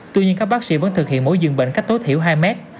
tuy nhiên các bác sĩ vẫn thực hiện mỗi giường bệnh cách tối thiểu hai mét